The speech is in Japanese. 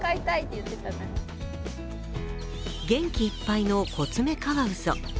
元気いっぱいのコツメカワウソ。